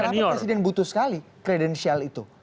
kenapa presiden butuh sekali kredensial itu